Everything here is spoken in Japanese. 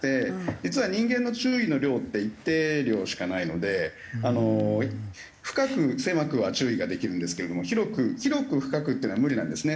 実は人間の注意の量って一定量しかないのであの深く狭くは注意ができるんですけれども広く深くっていうのは無理なんですね。